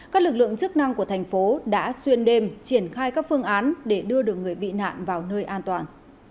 các lực lượng chức năng của thành phố đã xuyên đêm triển khai các phương án để đưa được người bị nạn vào nơi an toàn